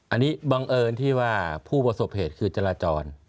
อันนี้บังเอิญที่ว่าผู้ประสบเหตุคือจราจร